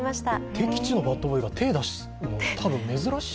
敵地のバットボーイが手を出すのはたぶん珍しい？